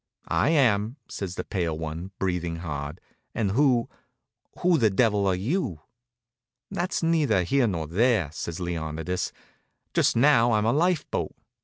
"I am," says the pale one, breathing hard, "and who who the devil are you?" "That's neither here nor there," says Leonidas. "Just now I'm a life boat.